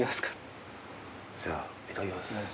じゃあいただきます。